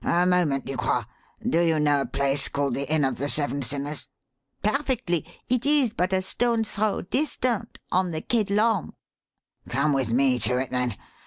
A moment, Ducroix. Do you know a place called the Inn of the Seven Sinners?" "Perfectly. It is but a stone's throw distant on the Quai d'Lorme." "Come with me to it, then.